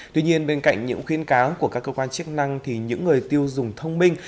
tuy nhiên bên cạnh những khuyên cáo của các cơ quan chức năng thì những người tiêu dùng thông minh